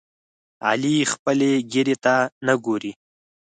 علي خپلې ګیرې ته نه ګوري.